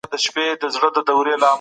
موږ ټول سبقونه بيا تکراروو.